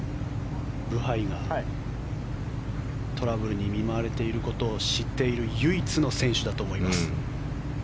ブハイがトラブルに見舞われていることを知っている唯一の選手だと思います。